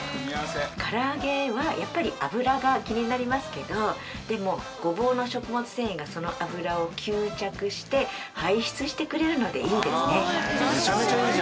から揚げはやっぱり油が気になりますけどでもごぼうの食物繊維がその油を吸着して排出してくれるのでいいんですね。